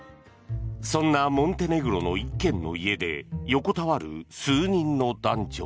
そんなモンテネグロの１軒の家で横たわる数人の男女。